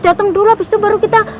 datang dulu abis itu baru kita